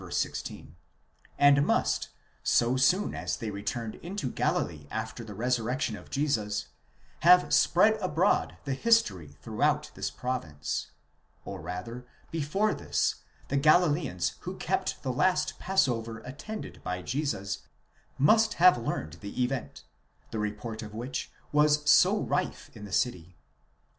16), and must, so soon as they returned into Galilee after the resurrection of Jesus, have spread abroad the history throughout this province, or rather, before this, the Galileans who kept the last passover attended by Jesus, must have learned the event, the report of which was so rife in the city.